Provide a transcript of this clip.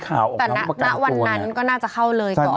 แต่ณวันนั้นก็น่าจะเข้าเลยก่อน